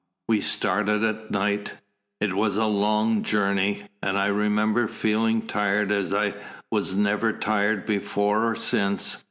We started at night. It was a long journey, and I remember feeling tired as I was never tired before or since.